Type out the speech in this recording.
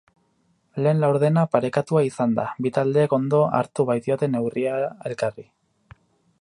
Lehen laurdena parekatua izan da, bi taldeek ondo hartu baitiote neurria elkarri.